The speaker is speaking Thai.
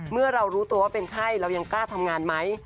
เมื่อเรารู้ตัวว่าเป็นไข้เรายังกล้าทำงานไหม